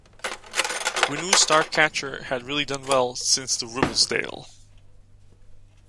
We knew Star Catcher had really done well since the Ribblesdale.